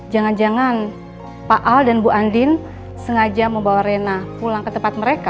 jangan jangan pak al dan bu andin sengaja membawa rena pulang ke tempat mereka